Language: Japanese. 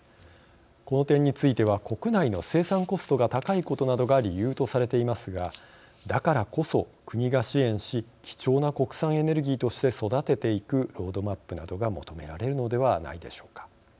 この点については国内の生産コストが高いことなどが理由とされていますがだからこそ国が支援し貴重な国産エネルギーとして育てていくロードマップなどが求められるのではないでしょうか。